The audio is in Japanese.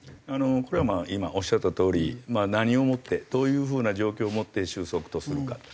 これは今おっしゃったとおり何をもってどういう風な状況をもって収束とするか。